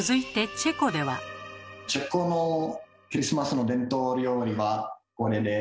チェコのクリスマスの伝統料理はこれです。